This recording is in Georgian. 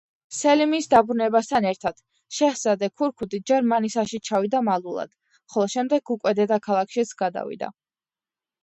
სელიმის დაბრუნებასთან ერთად, შეჰზადე ქორქუთი ჯერ მანისაში ჩავიდა მალულად, ხოლო შემდეგ უკვე დედაქალაქშიც გადავიდა.